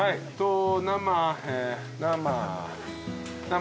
生。